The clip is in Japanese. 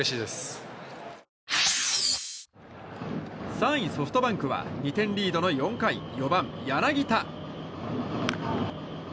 ３位、ソフトバンクは２点リードの４回４番、柳田。